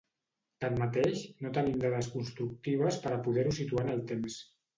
Tanmateix, no tenim dades constructives per a poder-ho situar en el temps.